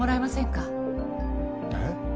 えっ？